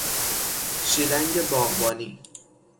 شیلنگ باغبانی